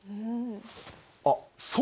あっそうか。